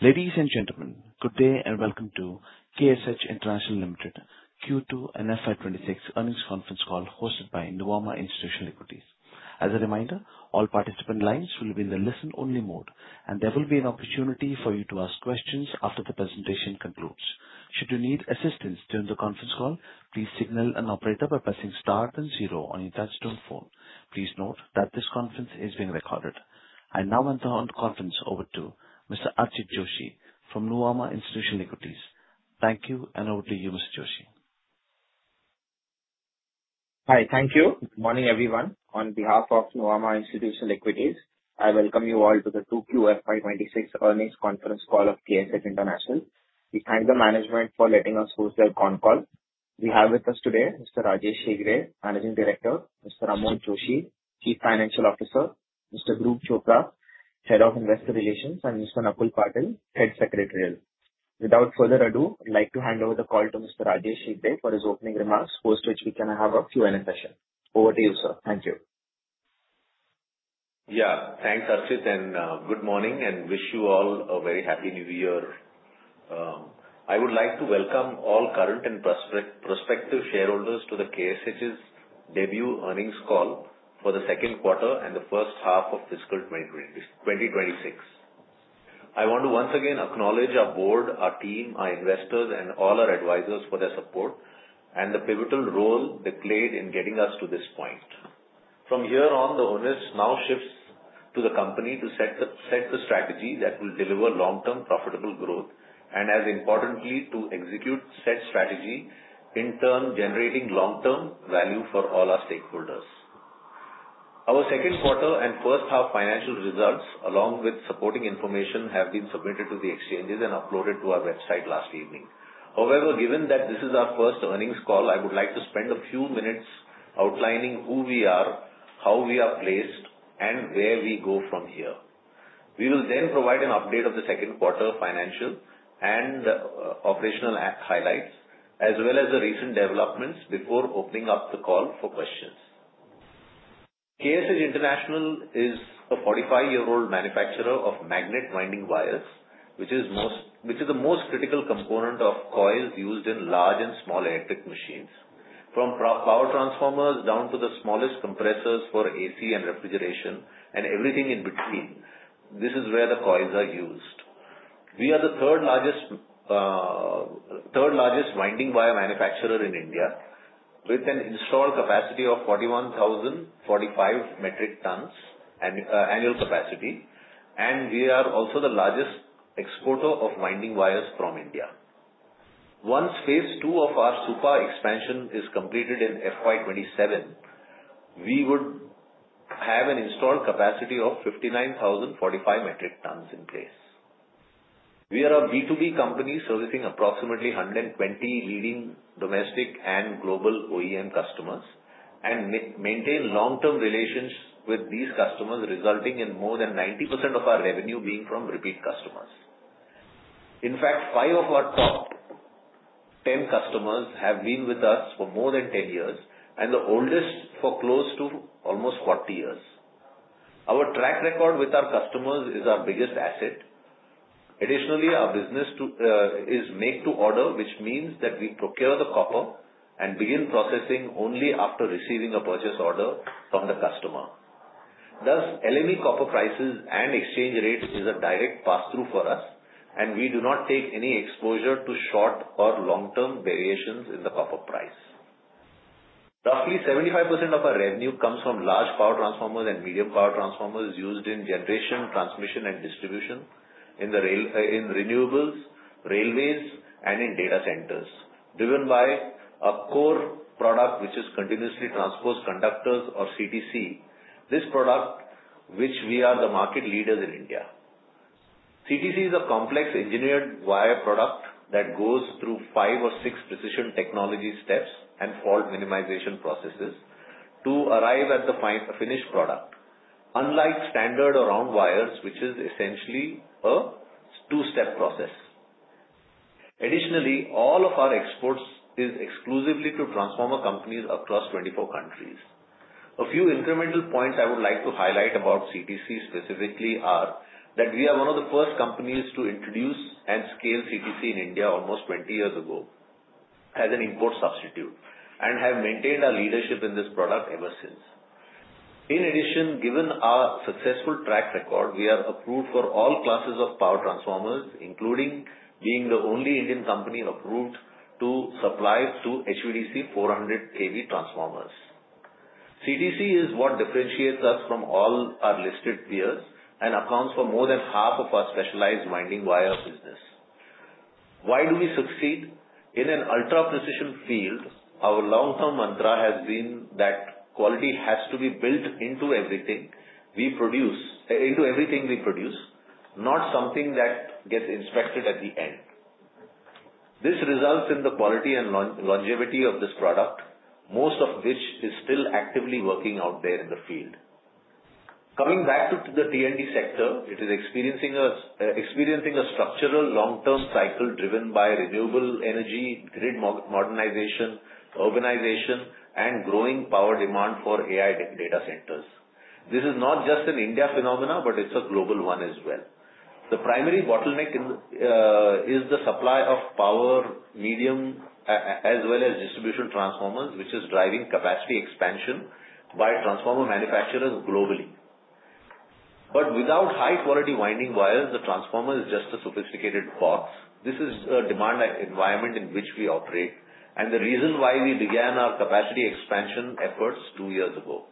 Ladies and gentlemen, good day and welcome to KSH International Limited Q2 and FY 2026 earnings conference call hosted by Nuvama Institutional Equities. As a reminder, all participant lines will be in the listen-only mode, and there will be an opportunity for you to ask questions after the presentation concludes. Should you need assistance during the conference call, please signal an operator by pressing star then zero on your touch-tone phone. Please note that this conference is being recorded. I now hand the conference over to Mr. Archit Joshi from Nuvama Institutional Equities. Thank you, and over to you, Mr. Joshi. Hi. Thank you. Good morning, everyone. On behalf of Nuvama Institutional Equities, I welcome you all to the 2Q FY 2026 earnings conference call of KSH International. We thank the management for letting us host their conf call. We have with us today Mr. Rajesh Hegde, Managing Director, Mr. Amod Joshi, Chief Financial Officer, Mr. Dhruv Chopra, Head of Investor Relations, and Mr. Nakul Patil, Head Secretarial. Without further ado, I would like to hand over the call to Mr. Rajesh Hegde for his opening remarks, post which we can have a Q&A session. Over to you, sir. Thank you. Yeah. Thanks, Archit, and good morning, and wish you all a very happy New Year. I would like to welcome all current and prospective shareholders to the KSH's debut earnings call for the second quarter and the first half of fiscal 2026. I want to once again acknowledge our board, our team, our investors, and all our advisors for their support and the pivotal role they played in getting us to this point. From here on, the onus now shifts to the company to set the strategy that will deliver long-term profitable growth, and as importantly, to execute said strategy, in turn, generating long-term value for all our stakeholders. Our second quarter and first half financial results, along with supporting information, have been submitted to the exchanges and uploaded to our website last evening. However, given that this is our first earnings call, I would like to spend a few minutes outlining who we are, how we are placed, and where we go from here. We will then provide an update of the second quarter financial and operational highlights, as well as the recent developments before opening up the call for questions. KSH International is a 45-year-old manufacturer of magnet winding wires, which is the most critical component of coils used in large and small electric machines. From power transformers down to the smallest compressors for AC and refrigeration and everything in between, this is where the coils are used. We are the third-largest winding wire manufacturer in India with an installed capacity of 41,045 metric tons annual capacity, and we are also the largest exporter of winding wires from India. Once phase 2 of our Supa expansion is completed in FY 2027, we would have an installed capacity of 59,045 metric tons in place. We are a B2B company servicing approximately 120 leading domestic and global OEM customers and maintain long-term relations with these customers, resulting in more than 90% of our revenue being from repeat customers. In fact, five of our top 10 customers have been with us for more than 10 years, and the oldest for close to almost 40 years. Our track record with our customers is our biggest asset. Additionally, our business is made to order, which means that we procure the copper and begin processing only after receiving a purchase order from the customer. LME copper prices and exchange rates is a direct pass-through for us, and we do not take any exposure to short or long-term variations in the copper price. Roughly 75% of our revenue comes from large power transformers and medium power transformers used in generation, transmission, and distribution in renewables, railways, and in data centers, driven by a core product, which is continuously transposed conductors or CTC, which we are the market leaders in India. CTC is a complex engineered wire product that goes through five or six precision technology steps and fault minimization processes to arrive at the finished product. Unlike standard or round wires, which is essentially a two-step process. All of our exports is exclusively to transformer companies across 24 countries. A few incremental points I would like to highlight about CTC specifically are that we are one of the first companies to introduce and scale CTC in India almost 20 years ago as an import substitute and have maintained our leadership in this product ever since. Given our successful track record, we are approved for all classes of power transformers, including being the only Indian company approved to supply to HVDC 400 kV transformers. CTC is what differentiates us from all our listed peers and accounts for more than half of our specialized winding wire business. Why do we succeed? In an ultra-precision field, our long-term mantra has been that quality has to be built into everything we produce, not something that gets inspected at the end. This results in the quality and longevity of this product, most of which is still actively working out there in the field. Coming back to the T&D sector, it is experiencing a structural long-term cycle driven by renewable energy, grid modernization, urbanization, and growing power demand for AI data centers. This is not just an India phenomena, but it's a global one as well. The primary bottleneck is the supply of power, medium, as well as distribution transformers, which is driving capacity expansion by transformer manufacturers globally. Without high-quality winding wires, the transformer is just a sophisticated box. This is a demand environment in which we operate, and the reason why we began our capacity expansion efforts two years ago.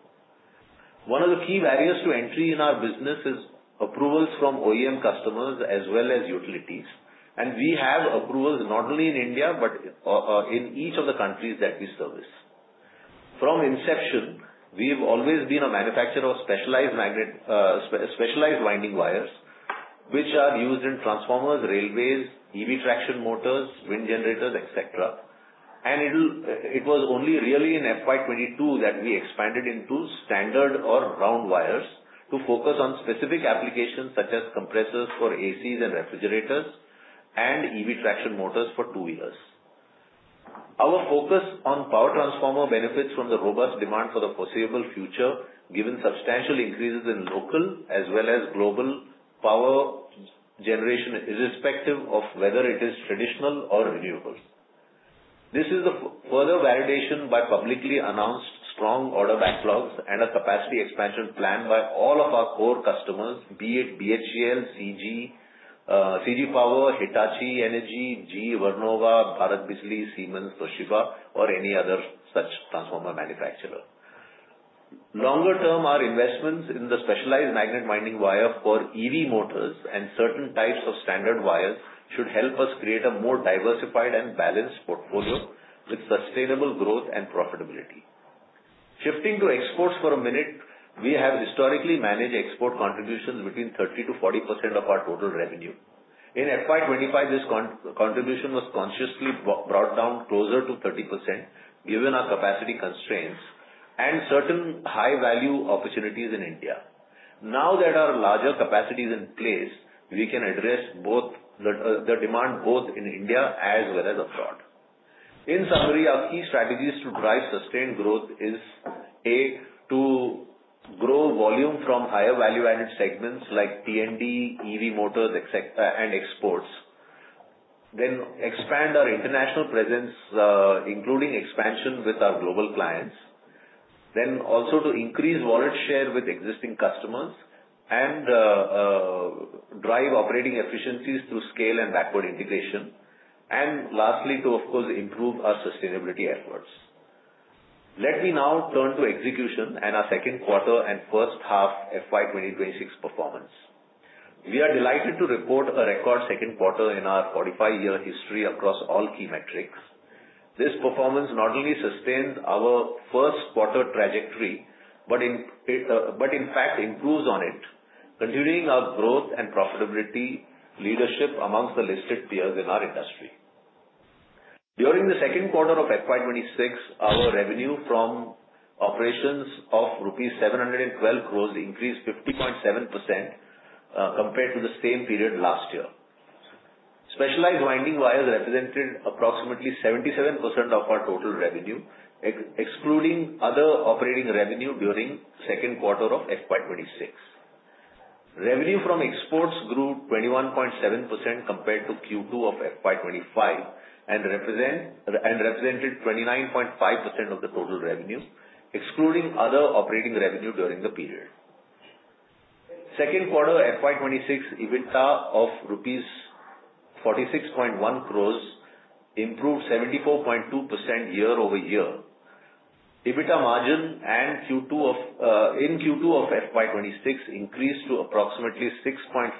One of the key barriers to entry in our business is approvals from OEM customers as well as utilities. We have approvals not only in India but in each of the countries that we service. From inception, we've always been a manufacturer of specialized winding wires, which are used in transformers, railways, EV traction motors, wind generators, et cetera. It was only really in FY 2022 that we expanded into standard or round wires to focus on specific applications such as compressors for ACs and refrigerators and EV traction motors for two-wheelers. Our focus on power transformer benefits from the robust demand for the foreseeable future, given substantial increases in local as well as global power generation, irrespective of whether it is traditional or renewables. This is a further validation by publicly announced strong order backlogs and a capacity expansion plan by all of our core customers, be it BHEL, CG Power, Hitachi Energy, GE Vernova, Bharat Bijlee, Siemens, Toshiba, or any other such transformer manufacturer. Longer term, our investments in the specialized magnet winding wires for EV motors and certain types of standard wires should help us create a more diversified and balanced portfolio with sustainable growth and profitability. Shifting to exports for a minute. We have historically managed export contributions between 30%-40% of our total revenue. In FY 2025, this contribution was consciously brought down closer to 30%, given our capacity constraints and certain high-value opportunities in India. Now that our larger capacity is in place, we can address the demand both in India as well as abroad. In summary, our key strategies to drive sustained growth is, A, to grow volume from higher value-added segments like PMD, EV motors, and exports. Expand our international presence, including expansion with our global clients. Also to increase wallet share with existing customers and drive operating efficiencies through scale and backward integration. Lastly, to of course improve our sustainability efforts. Let me now turn to execution and our second quarter and first half FY 2026 performance. We are delighted to report a record second quarter in our 45-year history across all key metrics. This performance not only sustains our first quarter trajectory, but in fact improves on it, continuing our growth and profitability leadership amongst the listed peers in our industry. During the second quarter of FY 2026, our revenue from operations of rupees 712 crores increased 50.7% compared to the same period last year. Specialized winding wires represented approximately 77% of our total revenue, excluding other operating revenue during second quarter of FY 2026. Revenue from exports grew 21.7% compared to Q2 of FY 2025 and represented 29.5% of the total revenue, excluding other operating revenue during the period. Second quarter FY 2026 EBITDA of INR 46.1 crores improved 74.2% year-over-year. EBITDA margin in Q2 of FY 2026 increased to approximately 6.5%,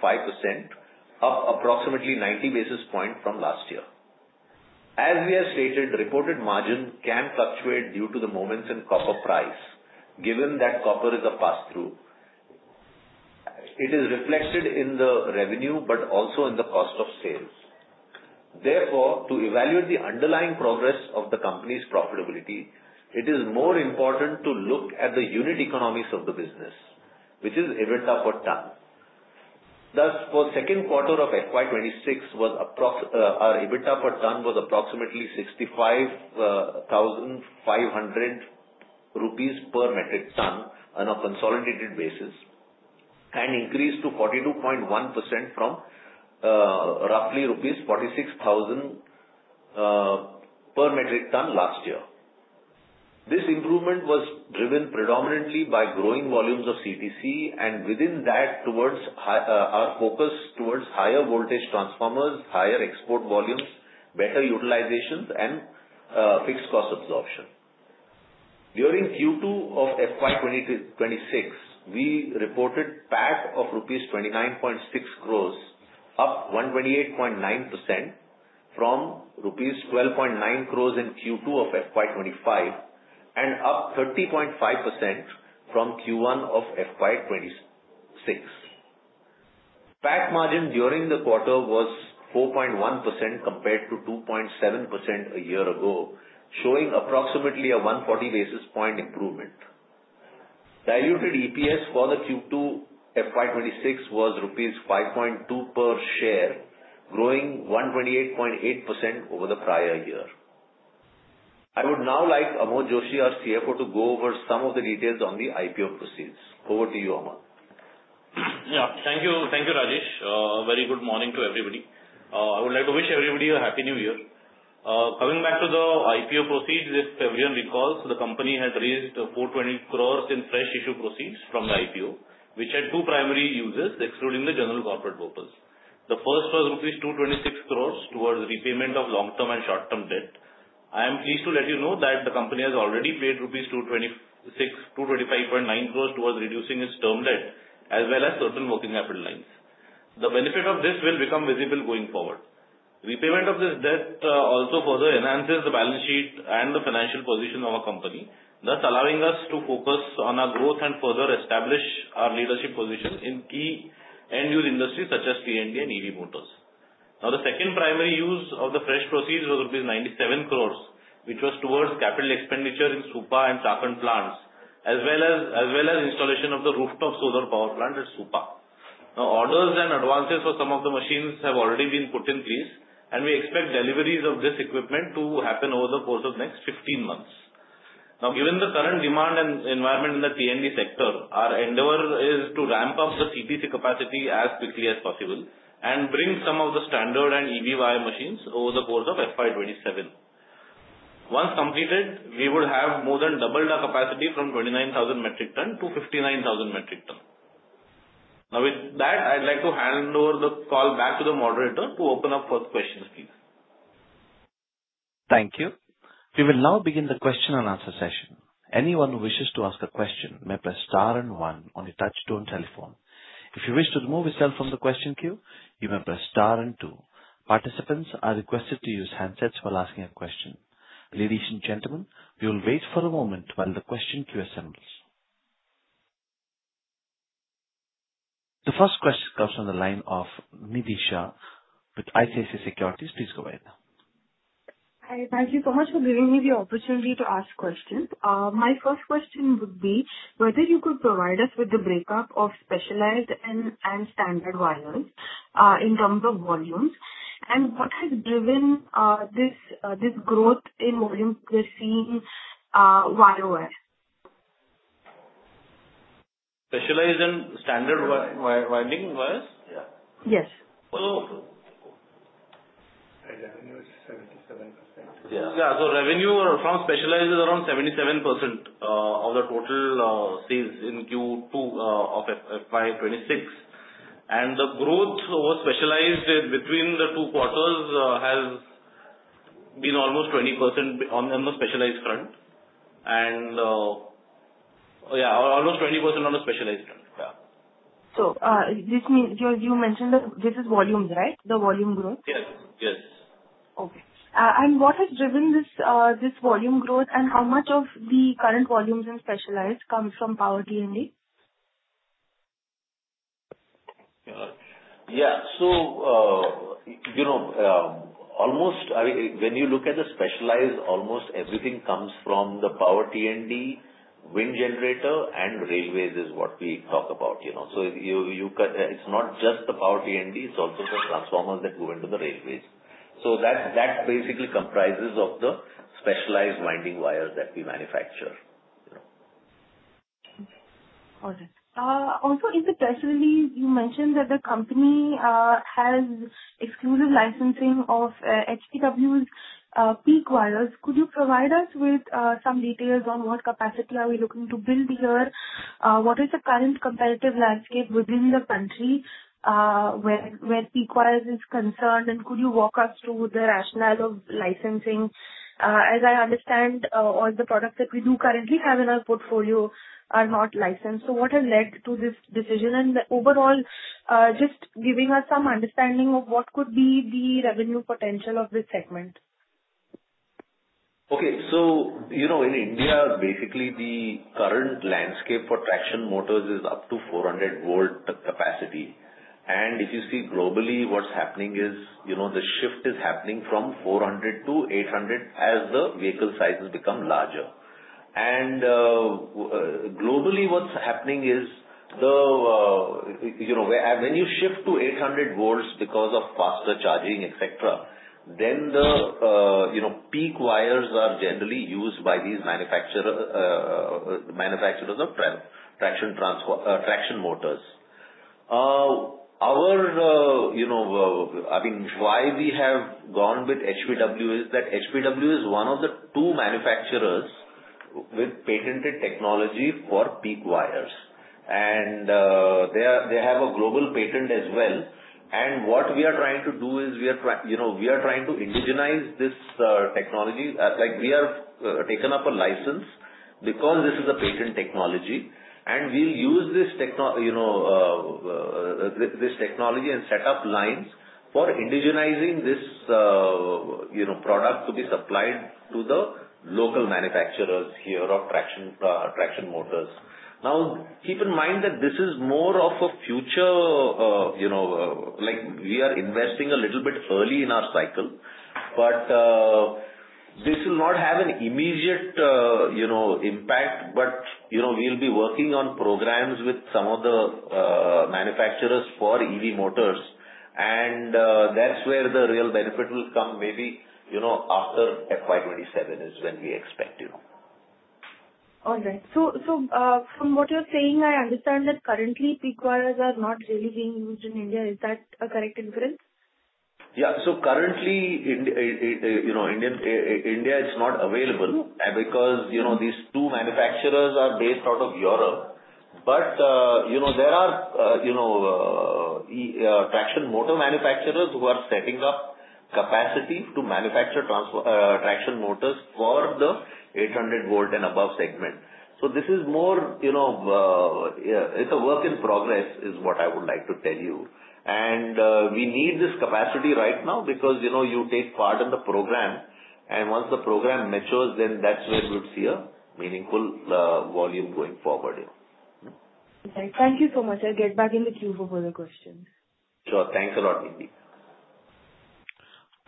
up approximately 90 basis points from last year. As we have stated, reported margin can fluctuate due to the movements in copper price, given that copper is a passthrough. It is reflected in the revenue but also in the cost of sales. Therefore, to evaluate the underlying progress of the company's profitability, it is more important to look at the unit economics of the business, which is EBITDA per ton. Thus, for second quarter of FY 2026, our EBITDA per ton was approximately 65,500 rupees per metric ton on a consolidated basis, an increase to 42.1% from roughly rupees 46,000 per metric ton last year. This improvement was driven predominantly by growing volumes of CTC and within that, our focus towards higher voltage transformers, higher export volumes, better utilizations, and fixed cost absorption. During Q2 of FY 2026, we reported PAT of rupees 29.6 crores, up 128.9% from rupees 12.9 crores in Q2 of FY 2025 and up 30.5% from Q1 of FY 2026. PAT margin during the quarter was 4.1% compared to 2.7% a year ago, showing approximately a 140 basis points improvement. Diluted EPS for the Q2 FY 2026 was rupees 5.2 per share, growing 128.8% over the prior year. I would now like Amod Joshi, our CFO, to go over some of the details on the IPO proceeds. Over to you, Amod. Thank you, Rajesh. A very good morning to everybody. I would like to wish everybody a Happy New Year. Coming back to the IPO proceeds, as everyone recalls, the company has raised 420 crores in fresh issue proceeds from the IPO, which had two primary uses, excluding the general corporate purposes. The first was INR 226 crores towards repayment of long-term and short-term debt. I am pleased to let you know that the company has already paid 225.9 crores towards reducing its term debt as well as certain working capital lines. The benefit of this will become visible going forward. Repayment of this debt also further enhances the balance sheet and the financial position of our company, thus allowing us to focus on our growth and further establish our leadership position in key end-use industries such as T&D and EV motors. The second primary use of the fresh proceeds was rupees 97 crores, which was towards capital expenditure in Supa and Chakan plants, as well as installation of the rooftop solar power plant at Supa. Orders and advances for some of the machines have already been put in place, and we expect deliveries of this equipment to happen over the course of the next 15 months. Given the current demand and environment in the T&D sector, our endeavor is to ramp up the CTC capacity as quickly as possible and bring some of the standard and EV wire machines over the course of FY 2027. Once completed, we would have more than doubled our capacity from 29,000 metric ton to 59,000 metric ton. With that, I'd like to hand over the call back to the moderator to open up for questions, please. Thank you. We will now begin the question and answer session. Anyone who wishes to ask a question may press star and one on your touch-tone telephone. If you wish to remove yourself from the question queue, you may press star and two. Participants are requested to use handsets while asking a question. Ladies and gentlemen, we will wait for a moment while the question queue assembles. The first question comes from the line of Nidhi Shah with ICICI Securities. Please go ahead. Hi. Thank you so much for giving me the opportunity to ask questions. My first question would be whether you could provide us with the breakup of specialized and standard wires in terms of volumes, and what has driven this growth in volume we're seeing Y-O-Y. Specialized and standard winding wires? Yeah. Yes. So Our revenue is 77%. Revenue from specialized is around 77% of the total sales in Q2 of FY 2026. The growth over specialized between the two quarters has been almost 20% on the specialized front. You mentioned that this is volumes, right? The volume growth? Yes. What has driven this volume growth, and how much of the current volumes in specialized comes from power T&D? When you look at the specialized, almost everything comes from the power T&D, wind generator, and railways is what we talk about. It's not just the power T&D, it's also the transformers that go into the railways. That basically comprises of the specialized winding wires that we manufacture. If it touches on this, you mentioned that the company has exclusive licensing of HPW's PEEK wires. Could you provide us with some details on what capacity are we looking to build here? What is the current competitive landscape within the country where PEEK wires is concerned? Could you walk us through the rationale of licensing? As I understand, all the products that we do currently have in our portfolio are not licensed. What has led to this decision? Overall, just giving us some understanding of what could be the revenue potential of this segment. In India, basically the current landscape for traction motors is up to 400 volt capacity. If you see globally, what's happening is the shift is happening from 400 to 800 as the vehicle sizes become larger. Globally, what's happening is when you shift to 800 volts because of faster charging, et cetera, then the PEEK wires are generally used by these manufacturers of traction motors. Why we have gone with HPW is that HPW is one of the two manufacturers with patented technology for PEEK wires. They have a global patent as well. What we are trying to do is we are trying to indigenize this technology. We have taken up a license because this is a patent technology, and we'll use this technology and set up lines for indigenizing this product to be supplied to the local manufacturers here of traction motors. Keep in mind that this is more of a future. We are investing a little bit early in our cycle, but this will not have an immediate impact. We'll be working on programs with some of the manufacturers for EV motors. That's where the real benefit will come, maybe after FY 2027 is when we expect to. From what you're saying, I understand that currently PEEK wires are not really being used in India. Is that a correct inference? Yeah. Currently, India is not available because these two manufacturers are based out of Europe. There are traction motor manufacturers who are setting up capacity to manufacture traction motors for the 800 volt and above segment. This is more a work in progress, is what I would like to tell you. We need this capacity right now because you take part in the program, and once the program matures, then that's where you'll see a meaningful volume going forward. Right. Thank you so much. I'll get back in the queue for further questions. Sure. Thanks a lot, Mindy.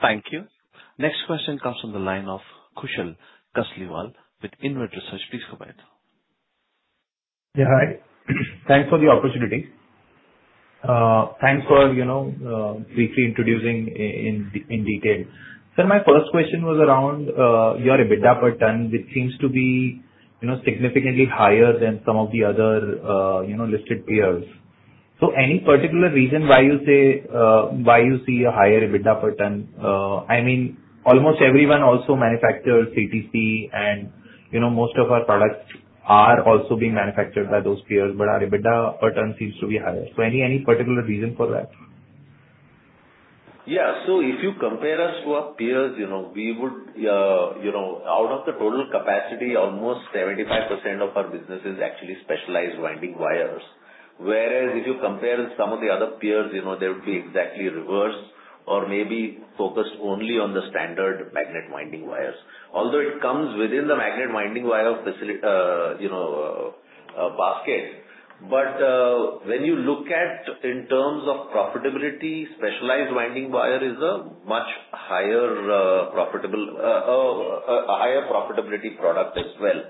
Thank you. Next question comes from the line of Kushal Kasliwal with InvIT Research. Please go ahead. Yeah, hi. Thanks for the opportunity. Thanks for briefly introducing in detail. Sir, my first question was around your EBITDA per ton, which seems to be significantly higher than some of the other listed peers. Any particular reason why you see a higher EBITDA per ton? Almost everyone also manufactures CTC and most of our products are also being manufactured by those peers, but our EBITDA per ton seems to be higher. Any particular reason for that? If you compare us to our peers, out of the total capacity, almost 75% of our business is actually specialized winding wires. Whereas if you compare some of the other peers, they would be exactly reverse or maybe focused only on the standard magnet winding wires. Although it comes within the magnet winding wire basket. When you look at in terms of profitability, specialized winding wire is a much higher profitability product as well.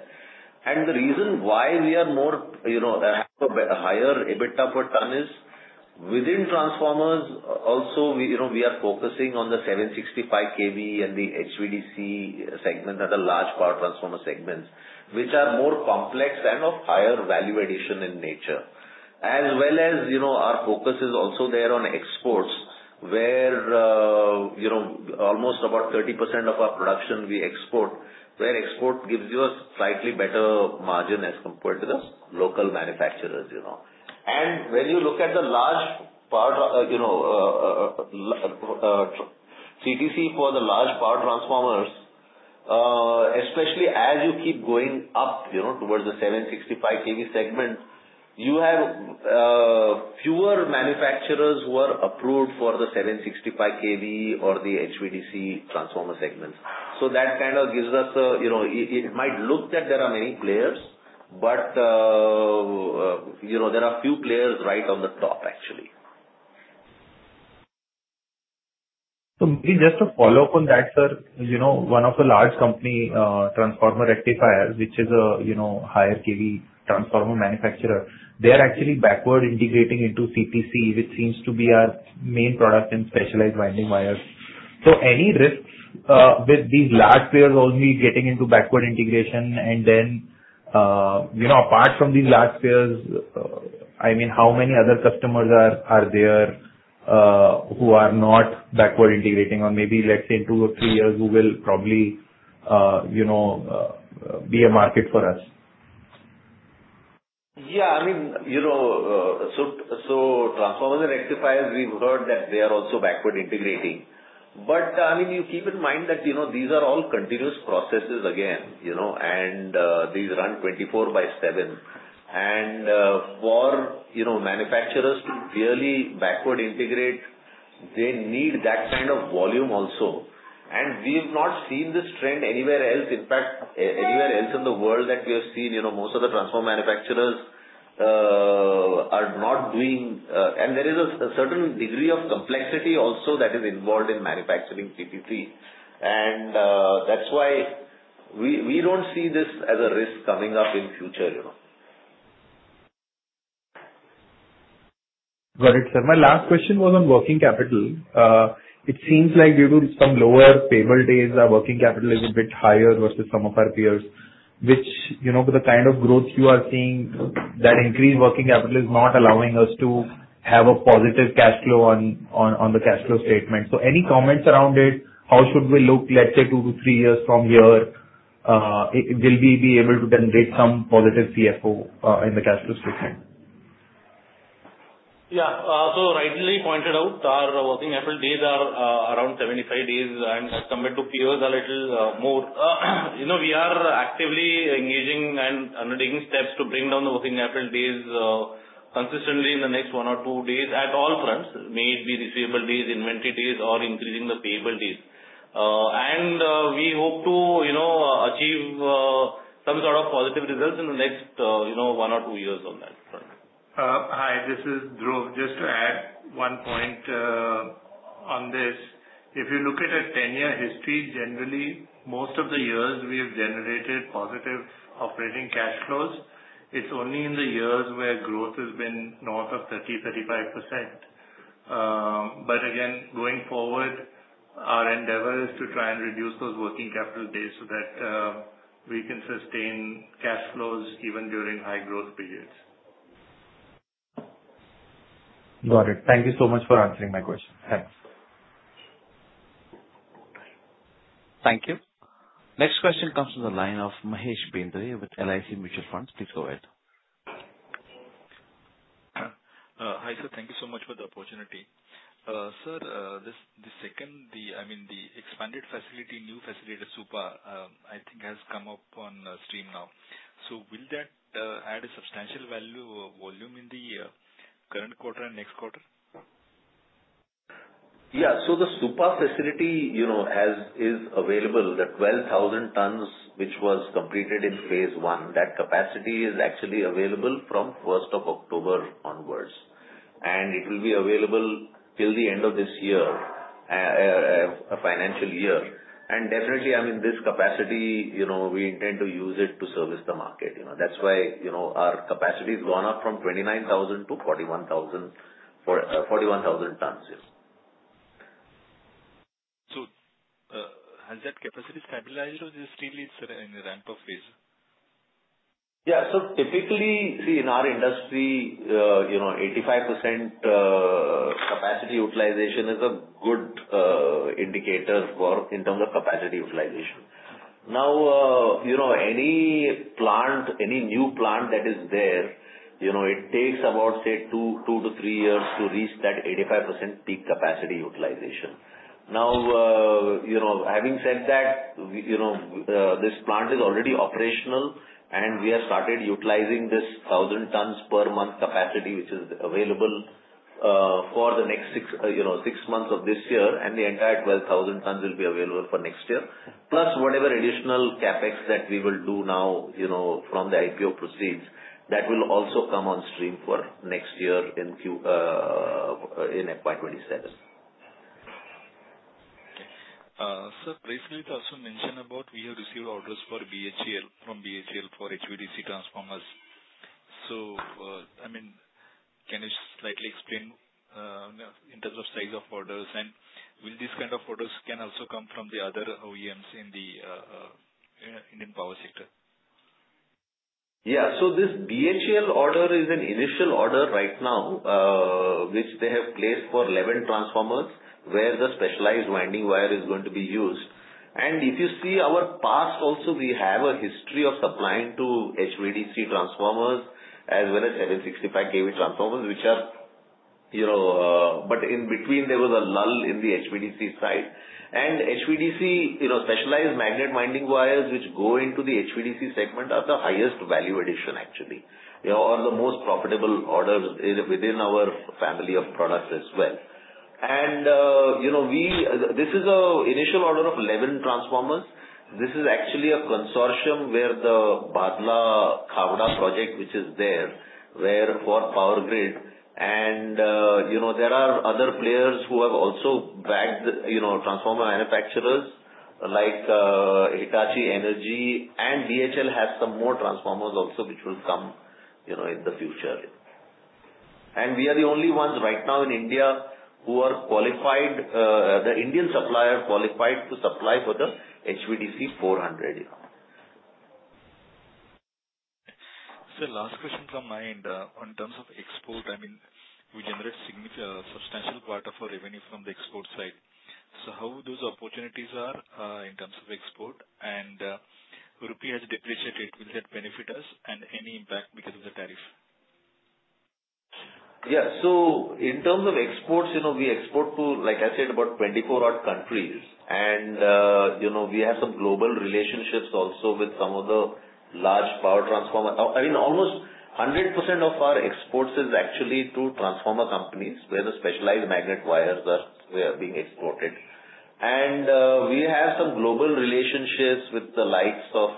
The reason why we have a higher EBITDA per ton is within transformers, also, we are focusing on the 765 kV and the HVDC segment that are large power transformer segments, which are more complex and of higher value addition in nature. As well as our focus is also there on exports, where almost about 30% of our production we export, where export gives you a slightly better margin as compared to the local manufacturers. When you look at CTC for the large power transformers, especially as you keep going up towards the 765 kV segment, you have fewer manufacturers who are approved for the 765 kV or the HVDC transformer segments. It might look that there are many players, but there are few players right on the top actually. Maybe just to follow up on that, sir. One of the large company Transformer Rectifiers, which is a higher kV transformer manufacturer, they're actually backward integrating into CTC, which seems to be our main product in specialized winding wires. Any risks with these large players only getting into backward integration and then, apart from these large players, how many other customers are there who are not backward integrating or maybe, let's say two or three years who will probably be a market for us? Transformer Rectifiers, we've heard that they are also backward integrating. You keep in mind that these are all continuous processes again, and these run 24/7. For manufacturers to clearly backward integrate, they need that kind of volume also. We've not seen this trend anywhere else. In fact, anywhere else in the world that we have seen, most of the transformer manufacturers are not doing, and there is a certain degree of complexity also that is involved in manufacturing CTC. That's why we don't see this as a risk coming up in future. Got it, sir. My last question was on working capital. It seems like due to some lower payable days, our working capital is a bit higher versus some of our peers, which with the kind of growth you are seeing, that increased working capital is not allowing us to have a positive cash flow on the cash flow statement. Any comments around it? How should we look, let's say 2-3 years from here? Will we be able to generate some positive CFO in the cash flow statement? Yeah. Rightly pointed out, our working capital days are around 75 days, and as compared to peers, a little more. We are actively engaging and undertaking steps to bring down the working capital days consistently in the next one or two days at all fronts. May it be receivable days, inventory days, or increasing the payable days. We hope to achieve some sort of positive results in the next 1-2 years on that front. Hi, this is Dhruv. Just to add 1 point on this, if you look at a 10-year history, generally, most of the years we have generated positive operating cash flows. It's only in the years where growth has been north of 30%-35%. Again, going forward, our endeavor is to try and reduce those working capital days so that we can sustain cash flows even during high growth periods. Got it. Thank you so much for answering my question. Thanks. Thank you. Next question comes from the line of Mahesh Bendre with LIC Mutual Fund. Please go ahead. Hi, sir. Thank you so much for the opportunity. Sir, the expanded facility, new facility at Supa, I think has come up on stream now. Will that add a substantial value or volume in the current quarter and next quarter? The Supa facility is available, the 12,000 tons which was completed in phase 1, that capacity is actually available from the 1st of October onwards, and it will be available till the end of this financial year. Definitely, this capacity, we intend to use it to service the market. That's why our capacity's gone up from 29,000 to 41,000 tons. Yes. Has that capacity stabilized or is it still in the ramp-up phase? Typically, see in our industry, 85% capacity utilization is a good indicator in terms of capacity utilization. Any new plant that is there, it takes about, say, two to three years to reach that 85% peak capacity utilization. Having said that, this plant is already operational, and we have started utilizing this 1,000 tons per month capacity, which is available for the next six months of this year, and the entire 12,000 tons will be available for next year. Plus whatever additional CapEx that we will do now from the IPO proceeds, that will also come on stream for next year in FY 2027. Sir, recently it was also mentioned about we have received orders from BHEL for HVDC transformers. Can you slightly explain in terms of size of orders, and will these kind of orders can also come from the other OEMs in the Indian power sector? This BHEL order is an initial order right now, which they have placed for 11 transformers, where the specialized winding wire is going to be used. If you see our past also, we have a history of supplying to HVDC transformers as well as 765 kV transformers. In between, there was a lull in the HVDC side. HVDC specialized magnet winding wires which go into the HVDC segment are the highest value addition actually. They are the most profitable orders within our family of products as well. This is an initial order of 11 transformers. This is actually a consortium where the Bhadla-Khavda project which is there, where for Power Grid, and there are other players who have also bagged transformer manufacturers like Hitachi Energy, and BHEL has some more transformers also, which will come in the future. We are the only ones right now in India, the Indian supplier qualified to supply for the HVDC 400. Sir, last question from my end. On terms of export, we generate a substantial part of our revenue from the export side. How those opportunities are in terms of export, and rupee has depreciated, will that benefit us, and any impact because of the tariff? Yeah. In terms of exports, we export to, like I said, about 24 odd countries. We have some global relationships also with some of the large power transformer. Almost 100% of our exports is actually to transformer companies, where the specialized magnet wires are being exported. We have some global relationships with the likes of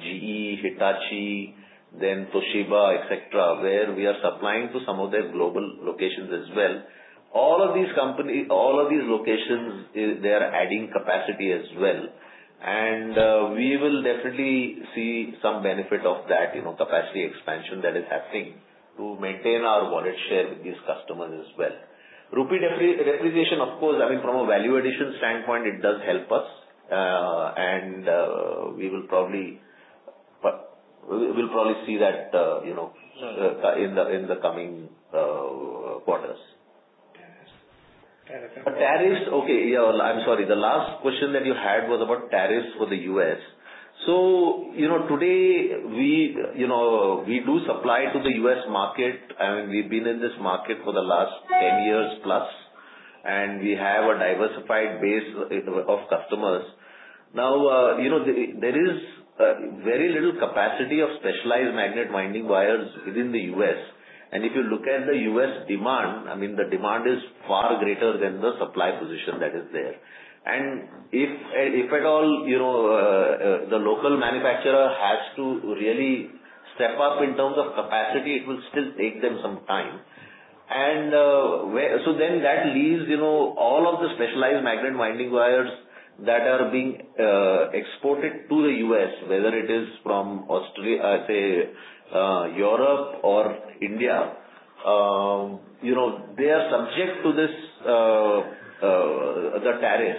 GE, Hitachi, then Toshiba, et cetera, where we are supplying to some of their global locations as well. All of these locations, they are adding capacity as well. We will definitely see some benefit of that capacity expansion that is happening to maintain our wallet share with these customers as well. Rupee depreciation, of course, from a value addition standpoint, it does help us. We will probably see that in the coming quarters. Tariffs. Tariffs. Okay. Yeah. I'm sorry. The last question that you had was about tariffs for the U.S. Today, we do supply to the U.S. market, and we've been in this market for the last 10 years plus, and we have a diversified base of customers. Now, there is very little capacity of specialized magnet winding wires within the U.S. If you look at the U.S. demand, the demand is far greater than the supply position that is there. If at all the local manufacturer has to really- Step up in terms of capacity, it will still take them some time. That leaves all of the specialized magnet winding wires that are being exported to the U.S., whether it is from Europe or India, they are subject to the tariff.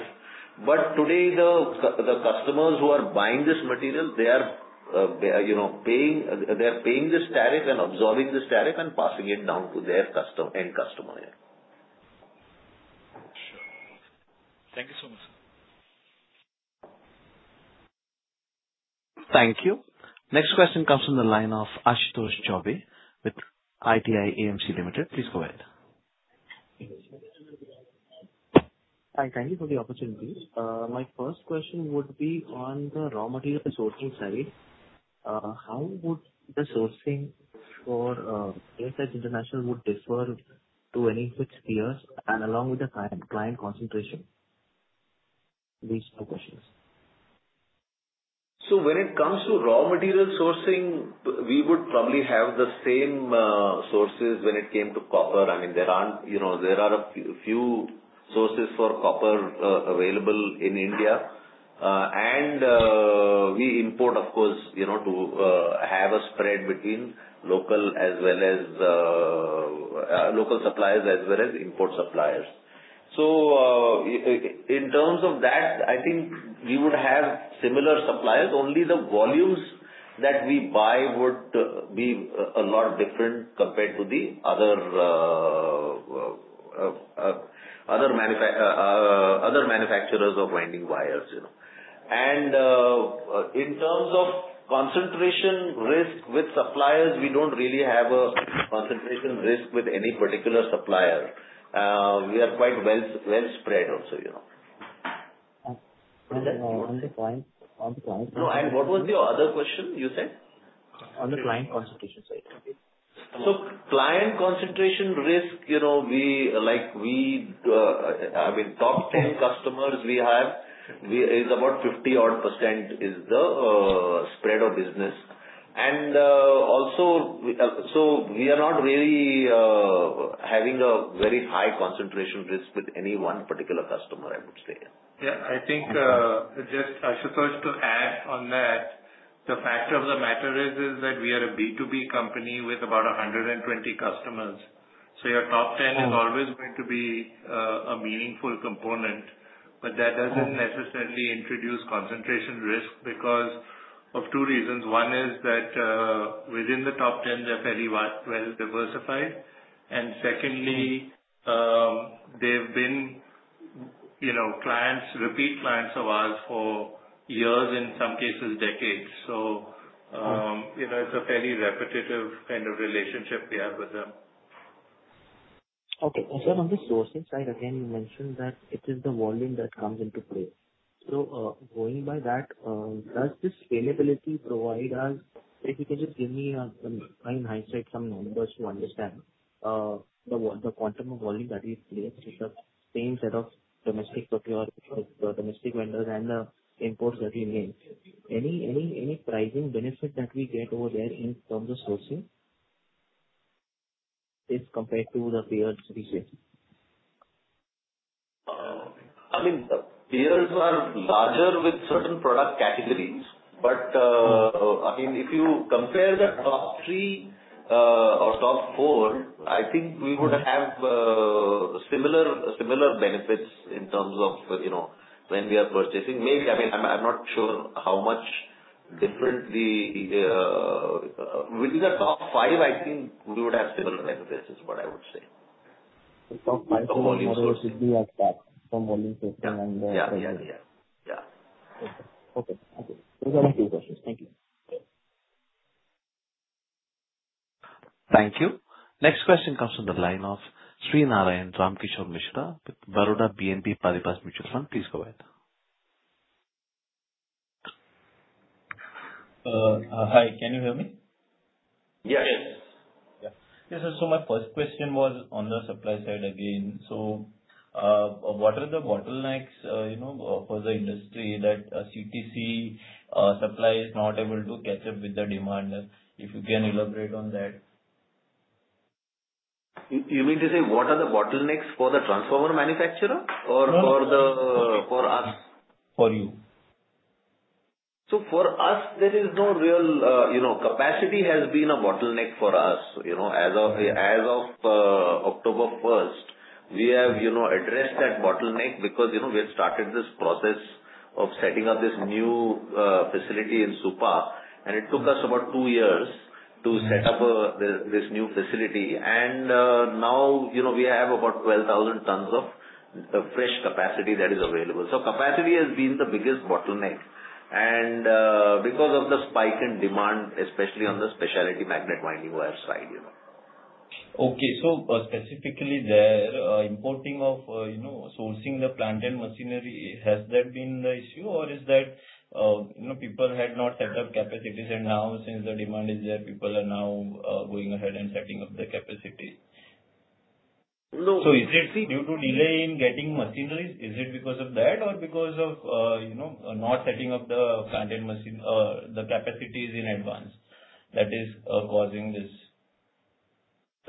Today, the customers who are buying this material, they are paying this tariff and absorbing this tariff and passing it down to their end customer. Sure. Thank you so much. Thank you. Next question comes from the line of Ashutosh Choubey with ITI AMC Limited. Please go ahead. Hi. Thank you for the opportunity. My first question would be on the raw material sourcing side. How would the sourcing for KSH International differ to any of its peers and along with the client concentration? These are my questions. When it comes to raw material sourcing, we would probably have the same sources when it came to copper. There are a few sources for copper available in India. We import, of course, to have a spread between local suppliers as well as import suppliers. In terms of that, I think we would have similar suppliers, only the volumes that we buy would be a lot different compared to the other manufacturers of winding wires. In terms of concentration risk with suppliers, we don't really have a concentration risk with any particular supplier. We are quite well spread also. On the client- No. What was your other question, you said? On the client concentration side. Okay. Client concentration risk, top 10 customers we have, is about 50-odd% is the spread of business. We are not really having a very high concentration risk with any one particular customer, I would say. Yeah, I think, just, Ashutosh, to add on that, the fact of the matter is that we are a B2B company with about 120 customers. Your top 10 is always going to be a meaningful component. That doesn't necessarily introduce concentration risk because of two reasons. One is that, within the top 10, they're fairly well-diversified. Secondly, they've been repeat clients of ours for years, in some cases, decades. It's a fairly repetitive kind of relationship we have with them. Okay. Sir, on the sourcing side, again, you mentioned that it is the volume that comes into play. Going by that, does the scalability provide us, if you can just give me in hindsight some numbers to understand the quantum of volume that we place with the same set of domestic vendors and the imports that we make. Any pricing benefit that we get over there in terms of sourcing as compared to the peers recently? Peers are larger with certain product categories. If you compare the top three or top four, I think we would have similar benefits in terms of when we are purchasing. Maybe, I'm not sure how much differently Within the top five, I think we would have similar benefits, is what I would say. The top five- The volume sourcing should be as that, from volume sourcing Yeah. Okay. Those are my two questions. Thank you. Thank you. Next question comes from the line of Sri Narayan Ramkishore Mishra with Baroda BNP Paribas Mutual Fund. Please go ahead. Hi. Can you hear me? Yes. Yeah. My first question was on the supply side again. What are the bottlenecks for the industry that CTC supply is not able to catch up with the demand? If you can elaborate on that. You mean to say what are the bottlenecks for the transformer manufacturer or for us? For you. For us, capacity has been a bottleneck for us. As of October 1st, we have addressed that bottleneck because we have started this process of setting up this new facility in Supa, and it took us about 2 years to set up this new facility. Now we have about 12,000 tons of fresh capacity that is available. Capacity has been the biggest bottleneck. Because of the spike in demand, especially on the specialized magnet winding wire side. Specifically there, importing of sourcing the plant and machinery, has that been the issue or is that people had not set up capacities and now since the demand is there, people are now going ahead and setting up the capacity? No. Is it due to delay in getting machineries? Is it because of that or because of not setting up the capacities in advance that is causing this?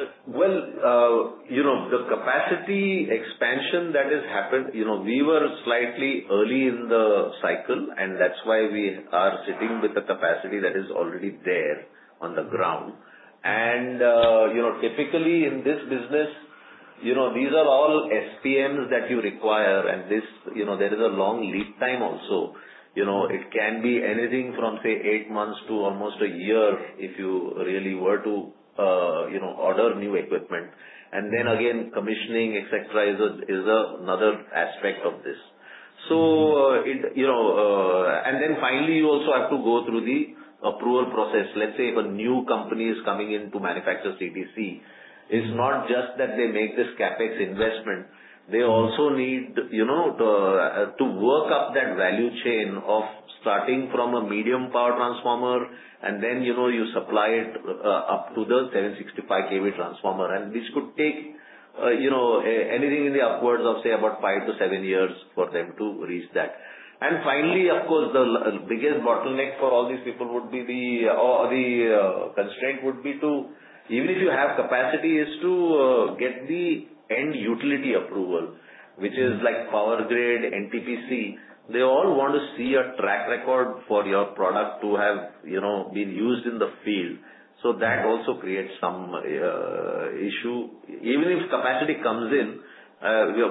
The capacity expansion that has happened, we were slightly early in the cycle, and that's why we are sitting with a capacity that is already there on the ground. Typically in this business, these are all STMs that you require, and there is a long lead time also. It can be anything from say eight months to almost a year if you really were to order new equipment. Then again, commissioning, et cetera, is another aspect of this. Then finally, you also have to go through the approval process. Let's say if a new company is coming in to manufacture CTC, it's not just that they make this CapEx investment, they also need to work up that value chain of starting from a medium power transformer, and then you supply it up to the 765 kV transformer. This could take anything in the upwards of, say, about 5 to 7 years for them to reach that. Finally, of course, the biggest bottleneck for all these people would be the, or the constraint would be to, even if you have capacity, is to get the end utility approval, which is like Power Grid, NTPC. They all want to see a track record for your product to have been used in the field. That also creates some issue. Even if capacity comes in,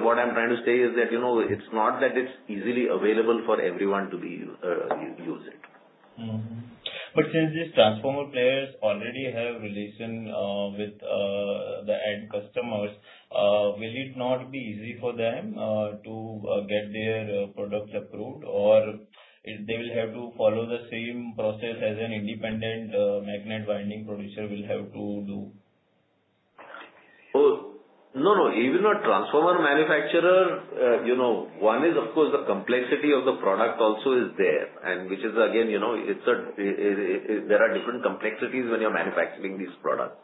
what I'm trying to say is that it's not that it's easily available for everyone to use it. Since these transformer players already have relation with the end customers, will it not be easy for them to get their products approved, or they will have to follow the same process as an independent magnet winding producer will have to do? No. Even a transformer manufacturer, one is, of course, the complexity of the product also is there, and which is again, there are different complexities when you're manufacturing these products.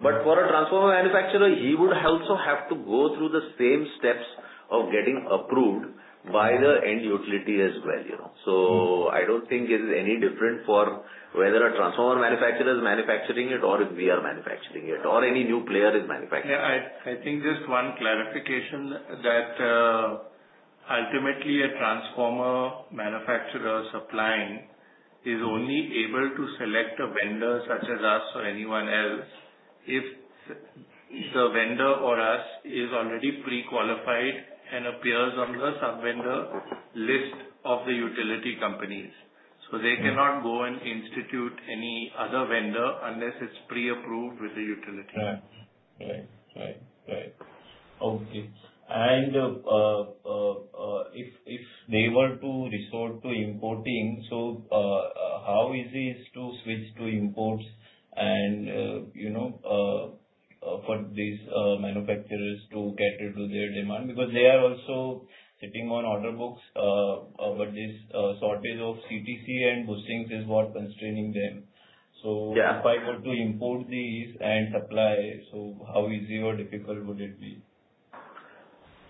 For a transformer manufacturer, he would also have to go through the same steps of getting approved by the end utility as well. I don't think it is any different for whether a transformer manufacturer is manufacturing it or if we are manufacturing it or any new player is manufacturing it. I think just one clarification, that ultimately a transformer manufacturer supplying is only able to select a vendor such as us or anyone else if the vendor or us is already pre-qualified and appears on the sub-vendor list of the utility companies. They cannot go and institute any other vendor unless it's pre-approved with the utility. Right. Okay. If they were to resort to importing, how easy is to switch to imports and for these manufacturers to cater to their demand? Because they are also sitting on order books, but this shortage of continuously transposed conductors and bushings is what's constraining them. Yeah If I were to import these and supply, how easy or difficult would it be?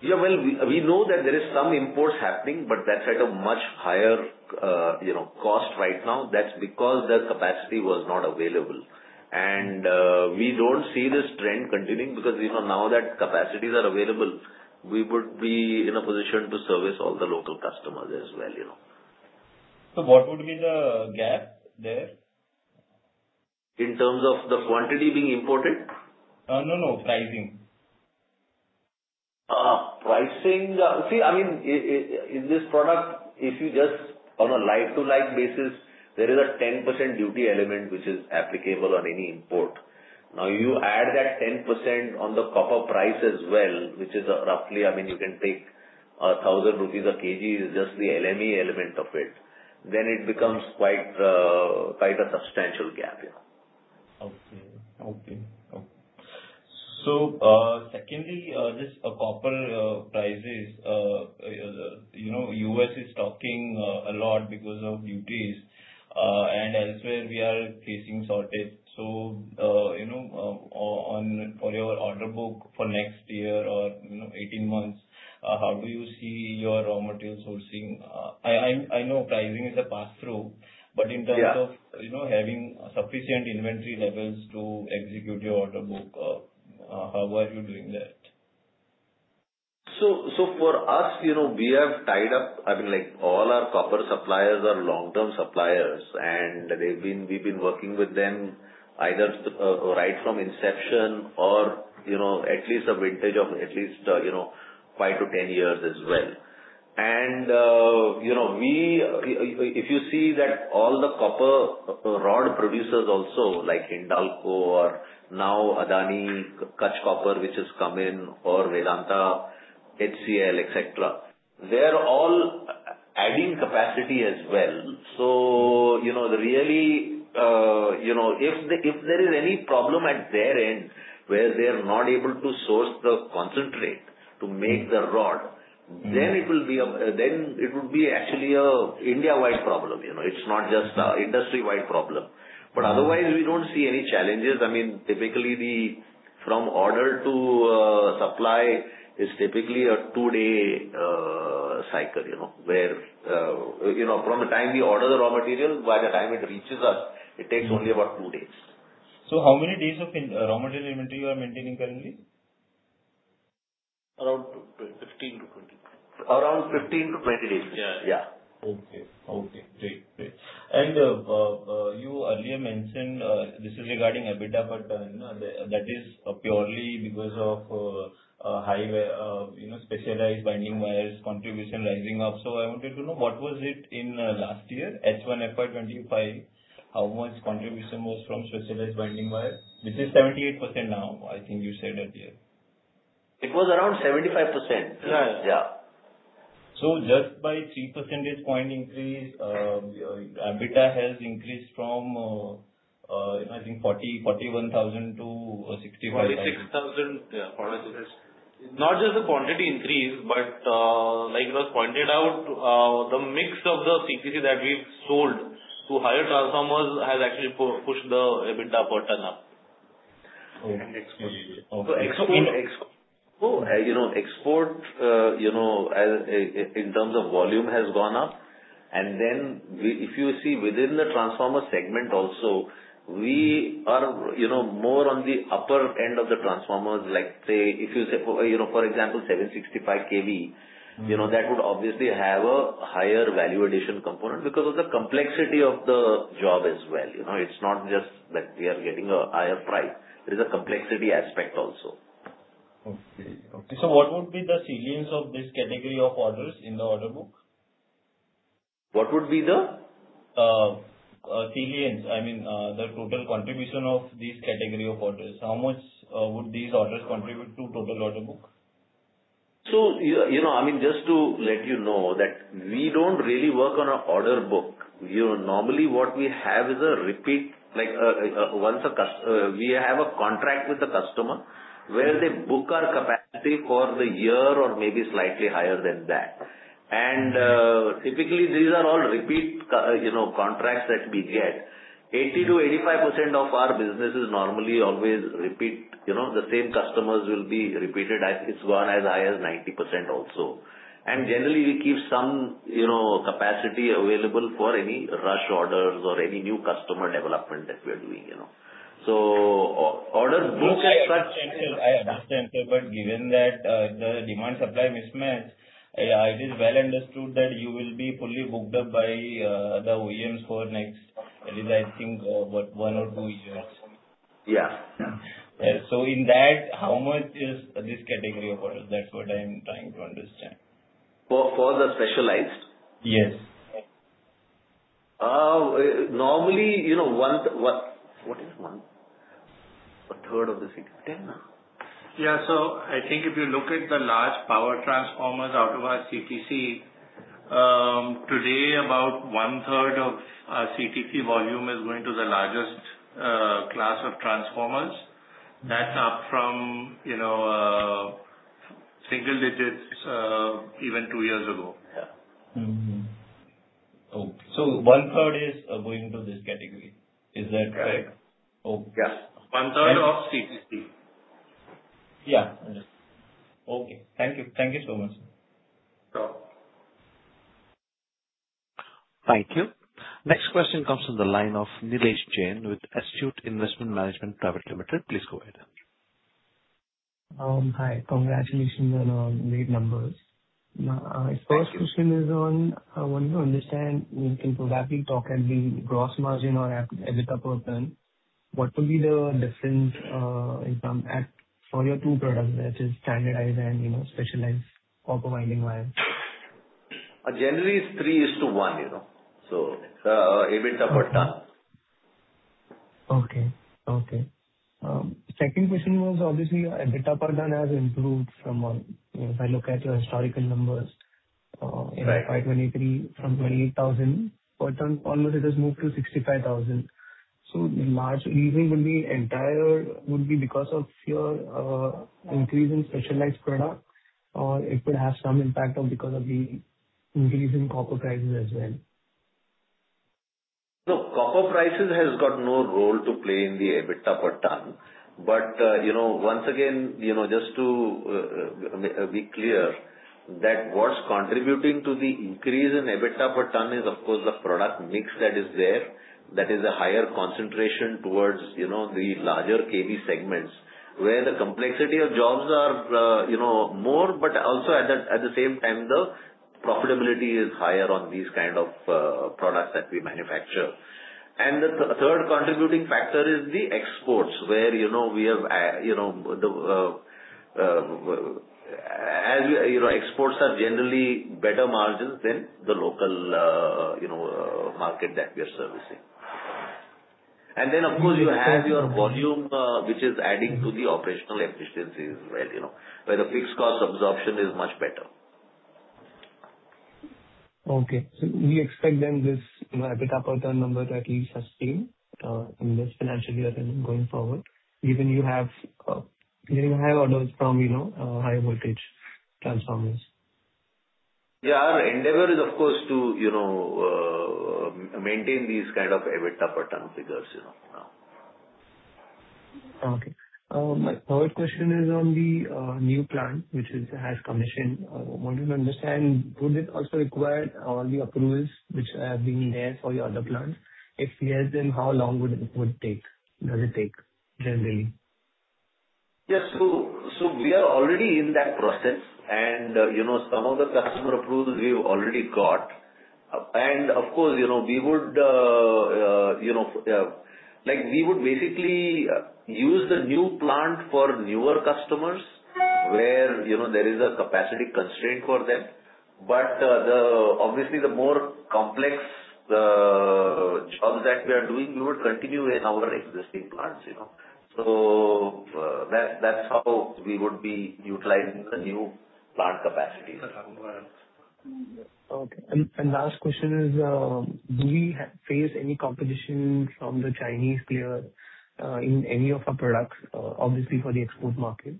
Yeah, well, we know that there is some imports happening, that's at a much higher cost right now. That's because their capacity was not available. We don't see this trend continuing because now that capacities are available, we would be in a position to service all the local customers as well. What would be the gap there? In terms of the quantity being imported? No. Pricing. Pricing. This product, if you just on a like-to-like basis, there is a 10% duty element which is applicable on any import. You add that 10% on the copper price as well, which is roughly, you can take 1,000 rupees a kg is just the LME element of it, then it becomes quite a substantial gap, yeah. Okay. Secondly, just copper prices. U.S. is talking a lot because of duties, elsewhere we are facing shortage. For your order book for next year or 18 months, how do you see your raw material sourcing? I know pricing is a passthrough- Yeah In terms of having sufficient inventory levels to execute your order book, how are you doing that? For us, we have tied up, like, all our copper suppliers are long-term suppliers, and we've been working with them either right from inception or at least a vintage of at least 5-10 years as well. If you see that all the copper rod producers also like Hindalco or now Adani Kutch Copper, which has come in, or Vedanta, HCL, et cetera, they're all adding capacity as well. If there is any problem at their end where they're not able to source the concentrate to make the rod, then it would be actually an India-wide problem. It's not just an industry-wide problem. Otherwise, we don't see any challenges. From order to supply is typically a two-day cycle, where from the time we order the raw materials, by the time it reaches us, it takes only about two days. How many days of raw material inventory you are maintaining currently? Around 15-20. Around 15-20 days. Yeah. Yeah. Okay. Great. You earlier mentioned, this is regarding EBITDA per ton, that is purely because of specialized winding wires contribution rising up. I wanted to know, what was it in last year, H1 FY 2025, how much contribution was from specialized winding wires? This is 78% now, I think you said earlier. It was around 75%. Yeah. Yeah. Just by three percentage point increase, EBITDA has increased from, I think, 40,000-41,000 to 65,000. 46,000. Yeah. Apologies. It's not just the quantity increase, but like it was pointed out, the mix of the CTC that we've sold to higher transformers has actually pushed the EBITDA per ton up. Okay. Export. Okay. Export, in terms of volume, has gone up, if you see within the transformer segment also, we are more on the upper end of the transformers. Like, say, if you say, for example, 765 kV. That would obviously have a higher value addition component because of the complexity of the job as well. It's not just that we are getting a higher price. There's a complexity aspect also. Okay. What would be the tillions of this category of orders in the order book? What would be the Tillions, I mean, the total contribution of these category of orders. How much would these orders contribute to total order book? Just to let you know that we don't really work on an order book. Normally what we have is a repeat. We have a contract with the customer where they book our capacity for the year or maybe slightly higher than that. Typically, these are all repeat contracts that we get. 80%-85% of our business is normally always repeat. The same customers will be repeated. It's gone as high as 90% also. Generally, we keep some capacity available for any rush orders or any new customer development that we're doing. orders book as such. I understand, sir. Given that the demand-supply mismatch, it is well understood that you will be fully booked up by the OEMs for next, at least I think, what, one or two years. Yeah. In that, how much is this category of orders? That's what I'm trying to understand. For the specialized? Yes. Normally, what is one? A third of the CTC, 10? I think if you look at the large power transformers out of our CTC, today, about one-third of our CTC volume is going to the largest class of transformers. That's up from single digits even two years ago. Yeah. One-third is going to this category. Is that correct? Right. Yes. One-third of CTC. Yeah. Understood. Okay. Thank you so much, sir. Sure. Thank you. Next question comes from the line of Nilesh Jain with Astute Investment Management Private Limited. Please go ahead. Hi. Congratulations on great numbers. Thank you. My first question is on, I want to understand, you can probably talk at the gross margin or EBITDA per ton. What will be the difference for your two products, that is standardized and specialized copper winding wire? Generally, it's three is to one, the EBITDA per ton. Okay. Second question was, obviously, EBITDA per ton has improved from, if I look at your historical numbers- Right in FY 2023 from 28,000 per ton, almost it has moved to 65,000. Large easing would be because of your increase in specialized product, or it could have some impact because of the increase in copper prices as well. No, copper prices have got no role to play in the EBITDA per ton. Once again, just to be clear, that what's contributing to the increase in EBITDA per ton is, of course, the product mix that is there. That is a higher concentration towards the larger kV segments, where the complexity of jobs are more, but also at the same time, the profitability is higher on these kind of products that we manufacture. The third contributing factor is the exports. Exports have generally better margins than the local market that we are servicing. Then, of course, you have your volume which is adding to the operational efficiencies where the fixed cost absorption is much better. Okay. We expect then this EBITDA per ton number to at least sustain in this financial year and going forward, given you have high orders from high voltage transformers. Yeah, our endeavor is, of course, to maintain these kind of EBITDA per ton figures. Okay. My third question is on the new plant, which has commissioned. I wanted to understand, would it also require all the approvals which have been there for your other plants? If yes, how long would it take, generally? Yes. We are already in that process and some of the customer approvals we've already got. Of course, we would basically use the new plant for newer customers where there is a capacity constraint for them. Obviously, the more complex jobs that we are doing, we would continue in our existing plants. That's how we would be utilizing the new plant capacity. Okay. Last question is, do we face any competition from the Chinese player in any of our products, obviously for the export market?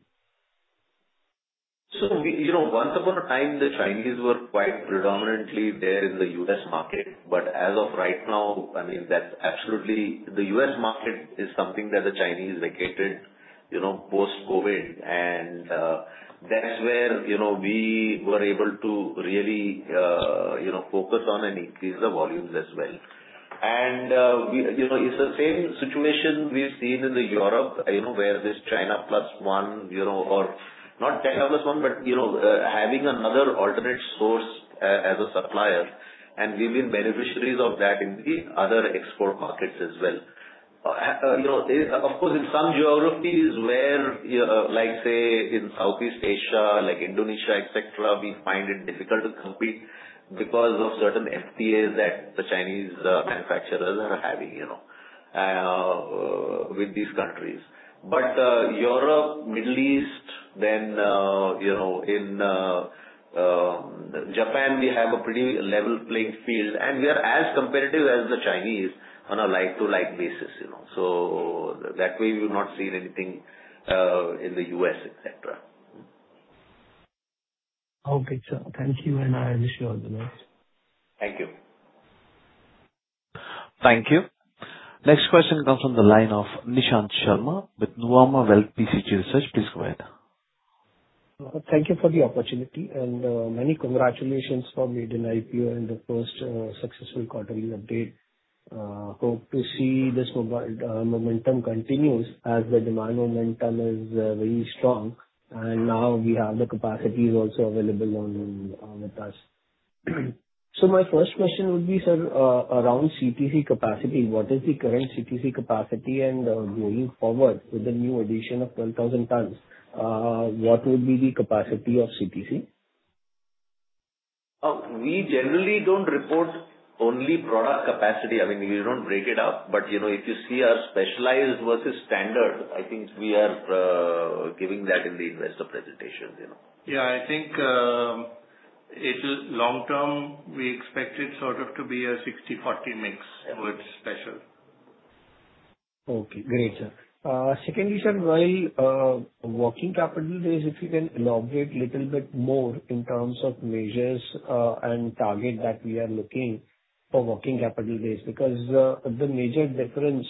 Once upon a time, the Chinese were quite predominantly there in the U.S. market. As of right now, the U.S. market is something that the Chinese vacated post-COVID. That's where we were able to really focus on and increase the volumes as well. It's the same situation we've seen in Europe, where this China plus one or not China plus one, but having another alternate source as a supplier, and we've been beneficiaries of that in the other export markets as well. In some geographies where, say, in Southeast Asia, like Indonesia, et cetera, we find it difficult to compete because of certain FTAs that the Chinese manufacturers are having with these countries. Europe, Middle East, then in Japan, we have a pretty level playing field, and we are as competitive as the Chinese on a like-to-like basis. That way, we've not seen anything in the U.S., et cetera. Okay, sir. Thank you, and I wish you all the best. Thank you. Thank you. Next question comes from the line of Nishant Sharma with Nuvama Wealth PCG Research. Please go ahead. Thank you for the opportunity, and many congratulations for maiden IPO and the first successful quarterly update. Hope to see this momentum continues as the demand momentum is very strong, and now we have the capacities also available with us. My first question would be, sir, around CTC capacity. What is the current CTC capacity and going forward with the new addition of 12,000 tons, what would be the capacity of CTC? We generally don't report only product capacity. We don't break it up. If you see our specialized versus standard, I think we are giving that in the investor presentations. Yeah, I think long term, we expect it sort of to be a 60-40 mix towards special. Okay, great, sir. Secondly, sir, while working capital days, if you can elaborate little bit more in terms of measures and target that we are looking for working capital days. The major difference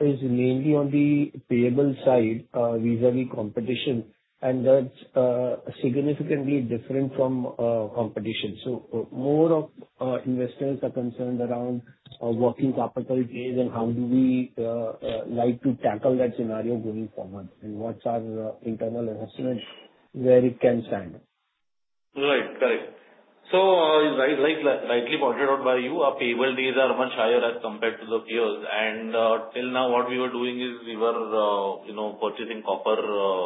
is mainly on the payable side vis-a-vis competition, and that's significantly different from competition. More of investors are concerned around working capital days and how do we like to tackle that scenario going forward, and what's our internal assessment where it can stand. Right. It's rightly pointed out by you. Our payable days are much higher as compared to the peers. Till now what we were doing is we were purchasing copper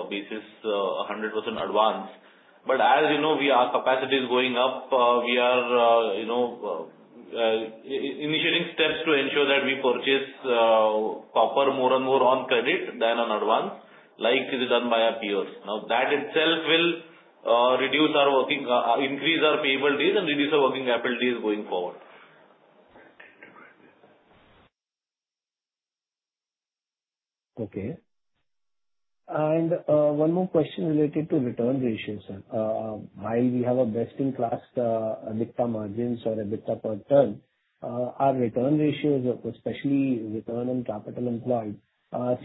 basis 100% advance. As you know, our capacity is going up, we are initiating steps to ensure that we purchase copper more and more on credit than on advance, like is done by our peers. That itself will increase our payable days and reduce our working capital days going forward. Okay. One more question related to return ratio, sir. While we have a best-in-class EBITDA margins or EBITDA per ton, our return ratios, especially return on capital employed,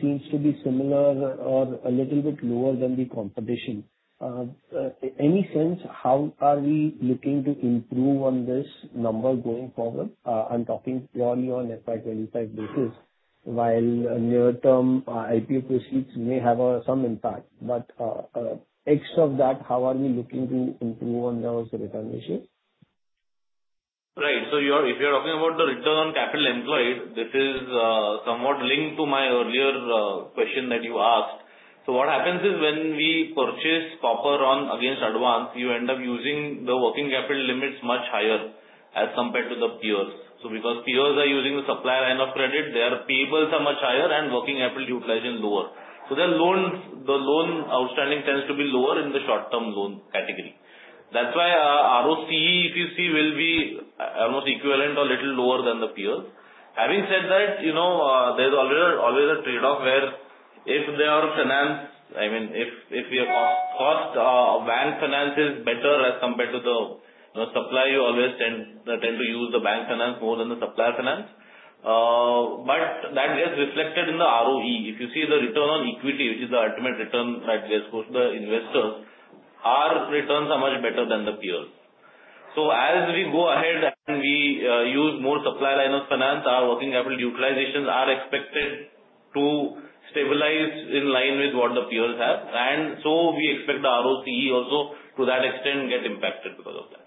seems to be similar or a little bit lower than the competition. Any sense how are we looking to improve on this number going forward? I am talking purely on FY 2025 basis, while near term IPO proceeds may have some impact. X of that, how are we looking to improve on those return ratios? Right. If you are talking about the return on capital employed, this is somewhat linked to my earlier question that you asked. What happens is, when we purchase copper against advance, you end up using the working capital limits much higher as compared to the peers. Because peers are using the supplier line of credit, their payables are much higher and working capital utilization lower. Their loans outstanding tends to be lower in the short-term loan category. That is why our ROCE, if you see, will be almost equivalent or little lower than the peer. Having said that, there is always a trade-off where if they are, I mean, if your cost of bank finance is better as compared to the supplier, you always tend to use the bank finance more than the supplier finance. That gets reflected in the ROE. If you see the return on equity, which is the ultimate return that goes to the investors, our returns are much better than the peers. As we go ahead and we use more supplier line of finance, our working capital utilizations are expected to stabilize in line with what the peers have. We expect the ROCE also, to that extent, get impacted because of that.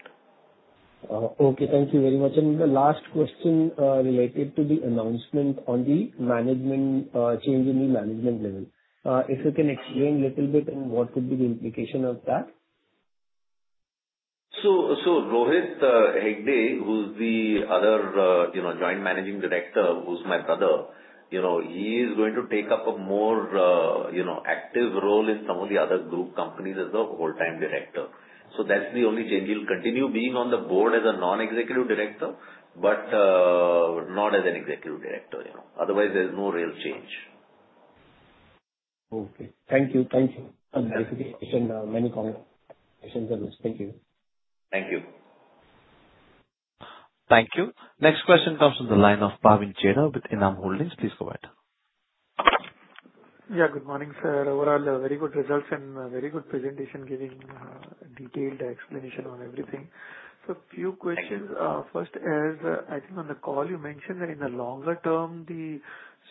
Okay, thank you very much. The last question related to the announcement on the change in the management level. If you can explain a little bit and what would be the implication of that? Rohit Hegde, who's the other Joint Managing Director, who's my brother, he is going to take up a more active role in some of the other group companies as a Whole-Time Director. That's the only change. He'll continue being on the board as a Non-Executive Director, but not as an Executive Director. Otherwise, there's no real change. Okay. Thank you. Thank you. Thank you. Next question comes from the line of Pavanj Heb with Enam Holdings. Please go ahead. Yeah, good morning, sir. Overall, very good results and very good presentation, giving detailed explanation on everything. Few questions. First, as I think on the call you mentioned that in the longer term, the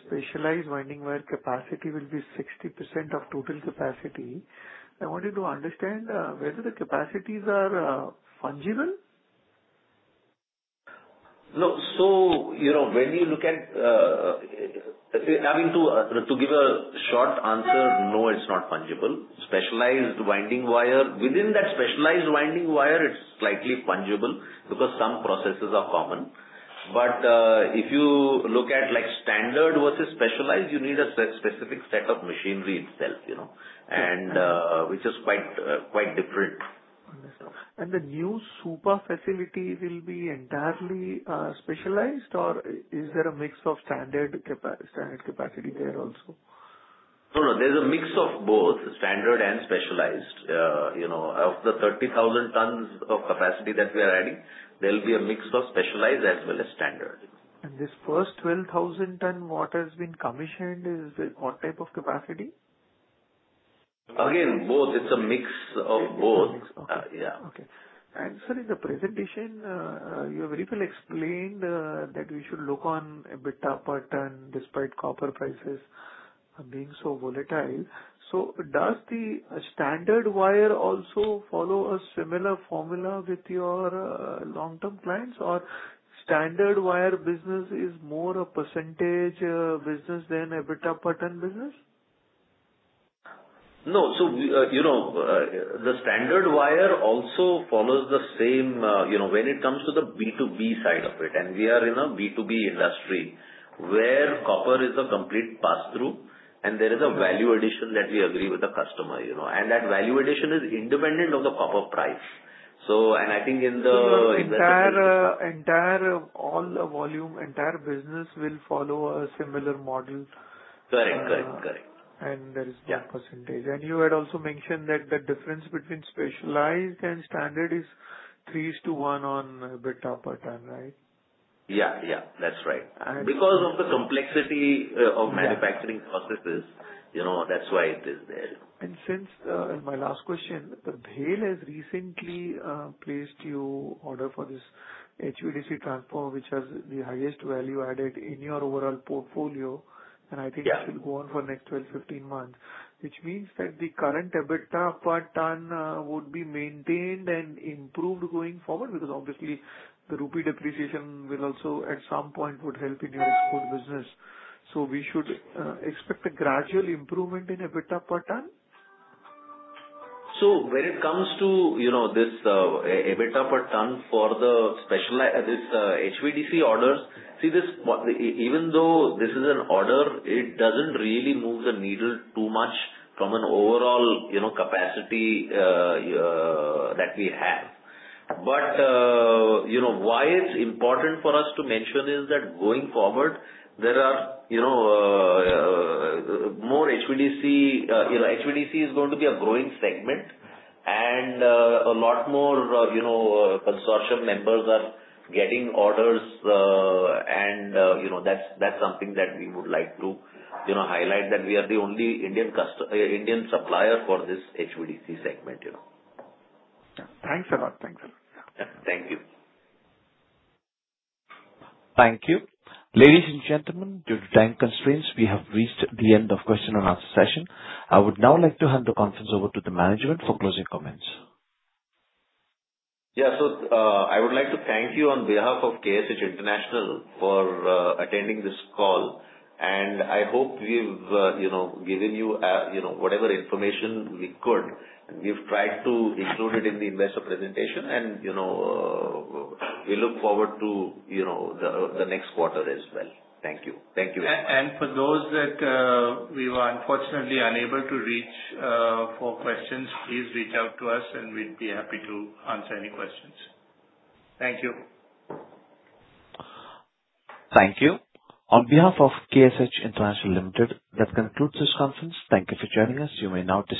specialized winding wire capacity will be 60% of total capacity. I wanted to understand whether the capacities are fungible. No. I mean, to give a short answer, no, it's not fungible. Within that specialized winding wire, it's slightly fungible because some processes are common. If you look at standard versus specialized, you need a specific set of machinery itself, which is quite different. Understood. The new Supa facility will be entirely specialized, or is there a mix of standard capacity there also? No, there's a mix of both standard and specialized. Of the 30,000 tons of capacity that we are adding, there'll be a mix of specialized as well as standard. This first 12,000 ton, what has been commissioned, is what type of capacity? Both. It's a mix of both. It's a mix. Okay. Yeah. Okay. Sir, in the presentation, you have very well explained that we should look on EBITDA per ton despite copper prices being so volatile. Does the standard wire also follow a similar formula with your long-term clients? Standard wire business is more a percentage business than EBITDA per ton business? No. The standard wire also follows the same when it comes to the B2B side of it, we are in a B2B industry where copper is a complete pass-through, there is a value addition that we agree with the customer. That value addition is independent of the copper price. Entire business will follow a similar model. Correct. There is no percentage. You had also mentioned that the difference between specialized and standard is 3 is to 1 on EBITDA per ton, right? Yeah. That's right. Because of the complexity of manufacturing processes, that's why it is there. Since, my last question, BHEL has recently placed you order for this HVDC transformer, which has the highest value added in your overall portfolio, and I think this will go on for next 12, 15 months. Which means that the current EBITDA per ton would be maintained and improved going forward because obviously the rupee depreciation will also at some point would help in your export business. We should expect a gradual improvement in EBITDA per ton? When it comes to this EBITDA per ton for the HVDC orders, see, even though this is an order, it doesn't really move the needle too much from an overall capacity that we have. Why it's important for us to mention is that going forward, HVDC is going to be a growing segment and a lot more consortium members are getting orders, and that's something that we would like to highlight, that we are the only Indian supplier for this HVDC segment. Yeah. Thanks a lot. Thank you. Thank you. Ladies and gentlemen, due to time constraints, we have reached the end of question and answer session. I would now like to hand the conference over to the management for closing comments. I would like to thank you on behalf of KSH International for attending this call, and I hope we've given you whatever information we could. We've tried to include it in the investor presentation, and we look forward to the next quarter as well. Thank you. For those that we were unfortunately unable to reach for questions, please reach out to us and we'd be happy to answer any questions. Thank you. Thank you. On behalf of KSH International Limited, that concludes this conference. Thank you for joining us. You may now disconnect your lines.